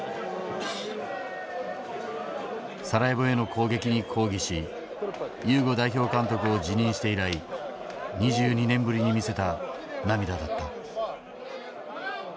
サラエボへの攻撃に抗議しユーゴ代表監督を辞任して以来２２年ぶりに見せた涙だった。